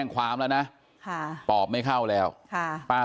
ความแล้วนะค่ะปอบไม่เข้าแล้วค่ะป้า